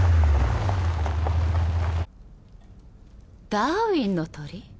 ダーウィンの鳥？